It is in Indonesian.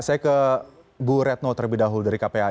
saya ke bu retno terlebih dahulu dari kpai